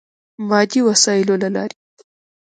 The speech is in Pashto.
مادي وسایلو له لارې.